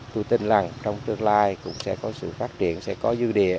tôi tin rằng trong tương lai cũng sẽ có sự phát triển sẽ có dư địa